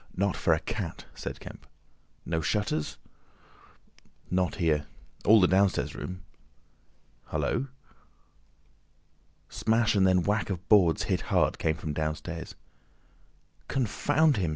"Not for a cat," said Kemp. "No shutters?" "Not here. All the downstairs rooms—Hullo!" Smash, and then whack of boards hit hard came from downstairs. "Confound him!"